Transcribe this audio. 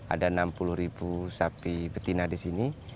ada enam puluh ribu sapi betina di sini